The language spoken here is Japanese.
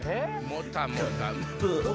もたもた。